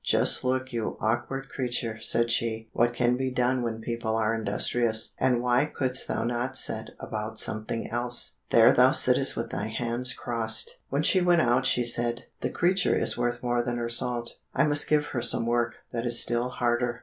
"Just look, you awkward creature," said she, "what can be done when people are industrious; and why couldst thou not set about something else? There thou sittest with thy hands crossed." When she went out she said, "The creature is worth more than her salt. I must give her some work that is still harder."